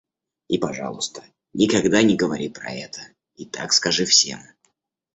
И, пожалуйста, никогда не говори про это и так скажи всем.